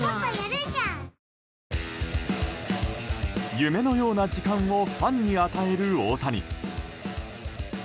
夢のような時間をファンに与える大谷。